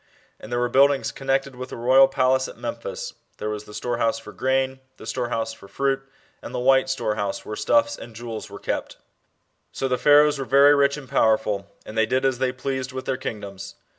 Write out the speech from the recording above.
And there wers buildings connected with the royal palace at Memphis . there was the storehouse for grain, the storehouse for fruit, and the white storehouse, whe^e stuffs and jewels are kept. So the Pharaohs were very rich and powerful, and they did as they pleased with their king doms.